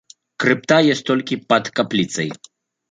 Крыпта ёсць толькі пад капліцай.